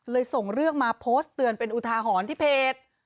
ส่งเรื่องมาโพสต์เตือนเป็นอุทาหรณ์ที่เพจ